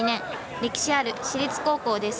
歴史ある私立高校です。